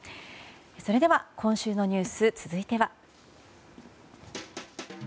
それでは今週のニュース続いては。